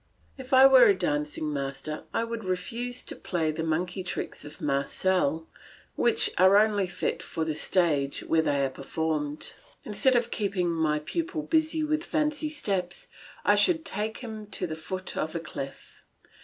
If I were a dancing master I would refuse to play the monkey tricks of Marcel, which are only fit for the stage where they are performed; but instead of keeping my pupil busy with fancy steps, I would take him to the foot of a cliff.